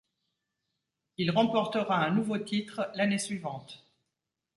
Il remportera un nouveau titre l'année suivante.